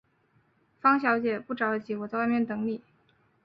方小姐，不着急，我在外面等妳。